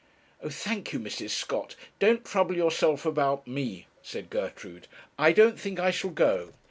'Oh! thank you, Mrs. Scott, don't trouble yourself about me,' said Gertrude; 'I don't think I shall go.'